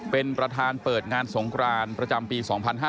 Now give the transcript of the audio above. เป็นประธานเปิดงานสงครานประจำปี๒๕๕๙